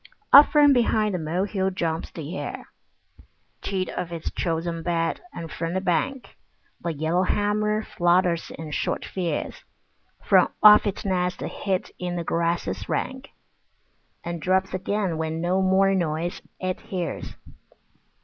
Up from behind the molehill jumps the hare, Cheat of his chosen bed, and from the bank The yellowhammer flutters in short fears From off its nest hid in the grasses rank, And drops again when no more noise it hears.